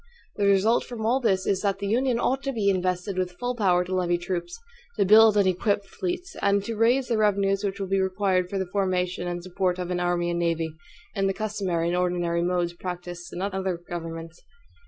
The result from all this is that the Union ought to be invested with full power to levy troops; to build and equip fleets; and to raise the revenues which will be required for the formation and support of an army and navy, in the customary and ordinary modes practiced in other governments.